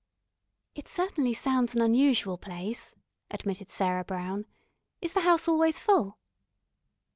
"It certainly sounds an unusual place," admitted Sarah Brown. "Is the house always full?"